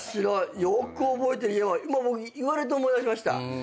よく覚えて僕言われて思い出しました。